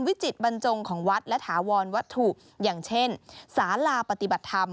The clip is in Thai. วิจิตบรรจงของวัดและถาวรวัตถุอย่างเช่นสาลาปฏิบัติธรรม